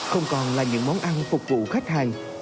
không còn là những món ăn phục vụ khách hàng